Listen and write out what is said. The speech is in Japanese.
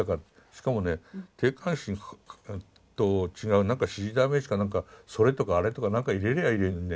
しかもね定冠詞と違うなんか指示代名詞かなんか「それ」とか「あれ」とか何か入れりゃいいのにね